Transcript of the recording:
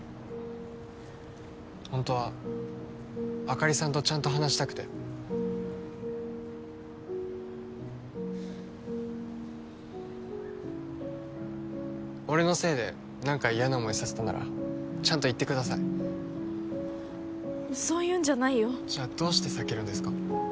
ホントはあかりさんとちゃんと話したくて俺のせいで何か嫌な思いさせたならちゃんと言ってくださいそういうんじゃないよじゃあどうして避けるんですか？